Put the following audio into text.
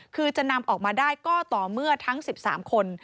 คือจะนำออกมาได้ก็ต่อเมื่อทั้ง๑๓คน